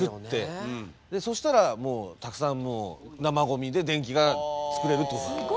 そしたらもうたくさん生ゴミで電気が作れるってことなんで。